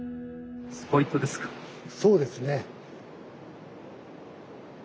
そうですね。